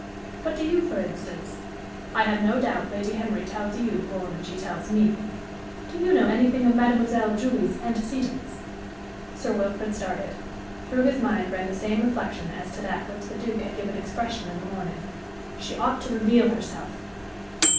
But, do you, for instance I have no doubt Lady Henry tells you more than she tells me do you know anything of Mademoiselle Julie's antecedents?" Sir Wilfrid started. Through his mind ran the same reflection as that to which the Duke had given expression in the morning "_she ought to reveal herself!